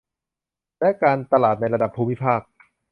และการตลาดในระดับภูมิภาค